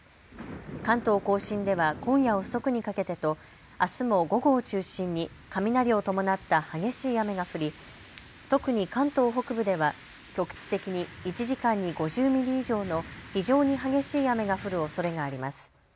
関東甲信では今夜遅くにかけてとあすも午後を中心に雷を伴った激しい雨が降り特に関東北部では局地的に１時間に５０ミリ以上の非常に激しい雨が降るおそれがあります。